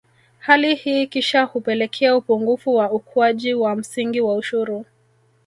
Hali hii kisha hupelekea upungufu wa ukuaji wa msingi wa ushuru